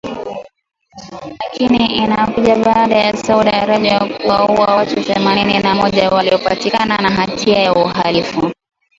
Lakini inakuja baada ya Saudi Arabia kuwaua watu themanini na moja waliopatikana na hatia ya uhalifu